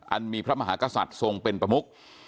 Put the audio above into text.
มีพระมหากษัตริย์ทรงเป็นประมุก